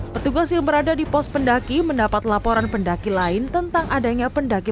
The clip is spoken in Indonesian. petugas yang berada di pos pendaki mendapat laporan pendaki lain tentang adanya pendaki